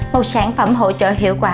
một sản phẩm hỗ trợ hiệu quả